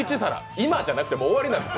今じゃなくて、もう終わりなんです！